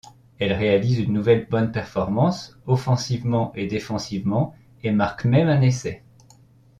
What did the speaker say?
Elle réalise une nouvelle bonne performance, offensivement et défensivement, et marque même un essai.